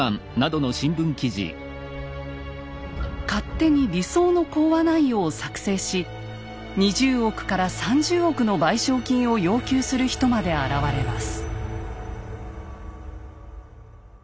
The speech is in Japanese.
勝手に理想の講和内容を作成し２０億から３０億の賠償金を要求する人まで現れます。